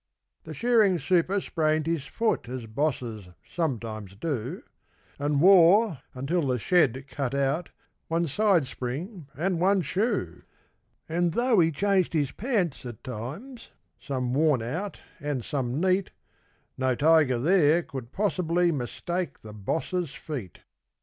_ The shearing super sprained his foot, as bosses sometimes do And wore, until the shed cut out, one 'side spring' and one shoe; And though he changed his pants at times some worn out and some neat No 'tiger' there could possibly mistake the Boss's feet.